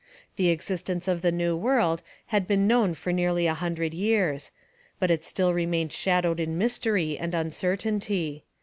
The existence of the New World had been known for nearly a hundred years. But it still remained shadowed in mystery and uncertainty.